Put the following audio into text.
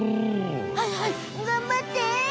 はいはいがんばって！